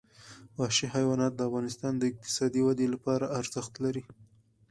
وحشي حیوانات د افغانستان د اقتصادي ودې لپاره ارزښت لري.